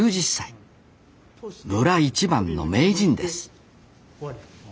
村一番の名人です